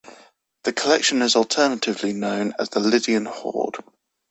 The collection is alternatively known as the "Lydian Hoard".